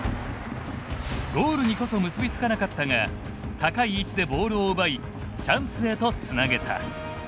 ゴールにこそ結びつかなかったが高い位置でボールを奪いチャンスへとつなげた。